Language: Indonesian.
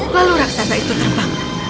lalu raksasa itu terbang